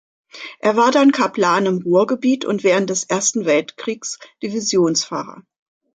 Er war dann Kaplan im Ruhrgebiet und während des Ersten Weltkriegs Divisionspfarrer.